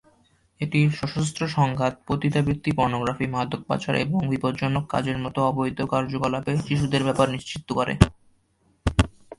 এটি সশস্ত্র সংঘাত, পতিতাবৃত্তি, পর্নোগ্রাফি, মাদক পাচার এবং বিপজ্জনক কাজের মতো অবৈধ কার্যকলাপে শিশুদের ব্যবহার নিষিদ্ধ করে।